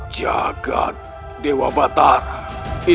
mari kita pergi